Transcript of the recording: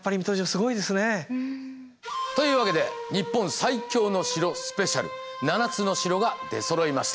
というわけで「日本最強の城スペシャル」７つの城が出そろいました。